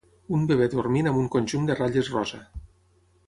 Un bebè dormint amb un conjunt de ratlles rosa.